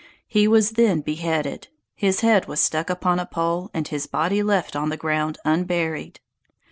He was then beheaded, his head was stuck upon a pole, and his body left on the ground unburied.